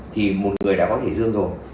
thì một người đã có thể dương rồi